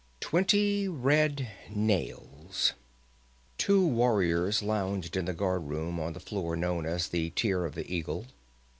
Twenty Red Nails_ Two warriors lounged in the guardroom on the floor known as the Tier of the Eagle.